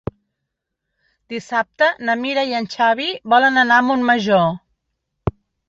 Dissabte na Mira i en Xavi volen anar a Montmajor.